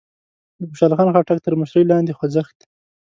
د خوشال خان خټک تر مشرۍ لاندې خوځښت